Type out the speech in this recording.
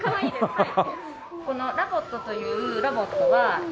はい。